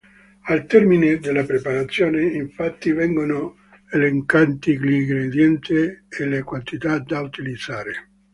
Al termine della preparazione, infatti, vengono elencati gli ingredienti e le quantità da utilizzare.